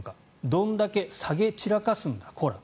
どんだけ下げ散らかすんだコラ